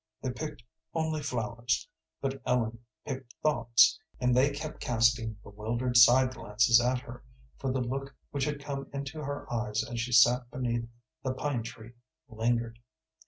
They picked only flowers, but Ellen picked thoughts, and they kept casting bewildered side glances at her, for the look which had come into her eyes as she sat beneath the pine tree lingered.